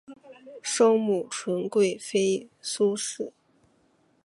生母纯贵妃苏氏。